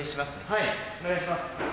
はいお願いします。